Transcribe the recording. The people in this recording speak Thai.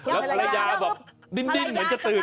แล้วภรรยาแบบดิ้นเหมือนจะตื่น